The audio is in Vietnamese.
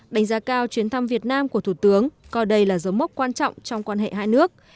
đánh giá cao chuyến thăm việt nam của thủ tướng coi đây là dấu mốc quan trọng trong quan hệ hai nước